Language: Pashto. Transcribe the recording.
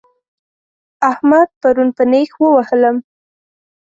احمد پرون په نېښ ووهلم